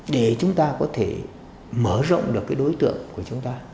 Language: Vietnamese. để chúng ta có thể mở rộng được cái đối tượng của chúng ta